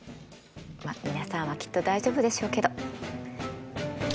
まっ皆さんはきっと大丈夫でしょうけど。